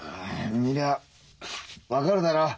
見りゃ分かるだろう。